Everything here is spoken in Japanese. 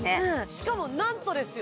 しかもなんとですよ